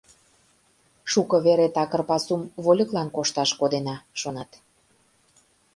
Шуко вере такыр пасум вольыклан кошташ кодена, шонат.